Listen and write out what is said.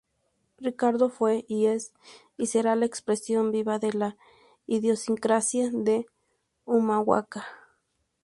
Ricardo fue, es y será la expresión viva de la idiosincrasia de Humahuaca.